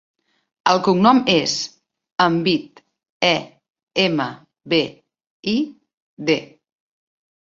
El cognom és Embid: e, ema, be, i, de.